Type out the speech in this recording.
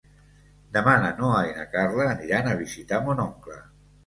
Demà na Noa i na Carla aniran a visitar mon oncle.